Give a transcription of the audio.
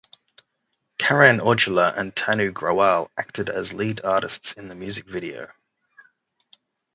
Karan Aujla and Tanu Grewal acted as lead artists in the music video.